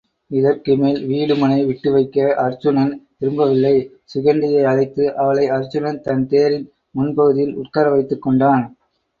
இதற்குமேல் வீடுமனை விட்டுவைக்க அருச்சுனன் விரும்பவில்லை சிகண்டியை அழைத்து அவளை அருச்சுனன் தன்தேரின் முன்பகுதியில் உட்காரவைத்துக் கொண்டான்.